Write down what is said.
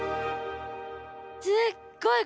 すっごい！